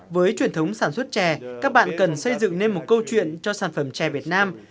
với truyền thống sản xuất chè các bạn cần xây dựng nên một câu chuyện cho sản phẩm chè việt nam